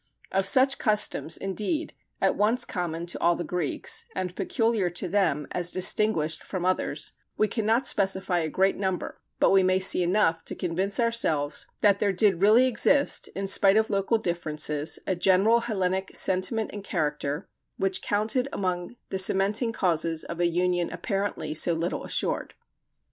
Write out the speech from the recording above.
Of such customs, indeed, at once common to all the Greeks, and peculiar to them as distinguished from others, we cannot specify a great number, but we may see enough to convince ourselves that there did really exist, in spite of local differences, a general Hellenic sentiment and character, which counted among the cementing causes of a union apparently so little assured.